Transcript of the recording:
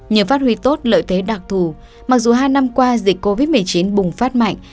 nhờ phát huy tốt lợi thế đặc thù mặc dù hai năm qua dịch covid một mươi chín bùng phát mạnh